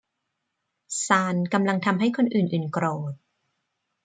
ซาลกำลังทำให้คนอื่น ๆ โกรธ